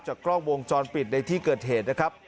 กล้องวงจรปิดในที่เกิดเหตุนะครับ